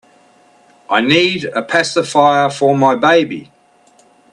I need a pacifier for my baby.